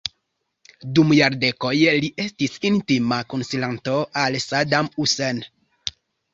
Dum jardekoj li estis intima konsilanto al Saddam Hussein.